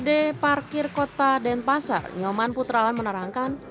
di rutpd parkir kota denpasar nyoman putralan menerangkan